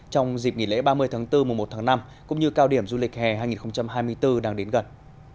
trong dịp nghỉ lễ ba mươi tháng bốn mùa một tháng năm cũng như cao điểm du lịch hè hai nghìn hai mươi bốn đang đến gần